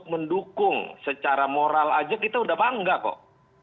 mendukung secara moral aja kita udah bangga kok